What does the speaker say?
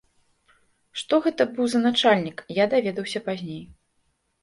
Што гэта быў за начальнік, я даведаўся пазней.